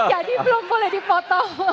jadi belum boleh dipotong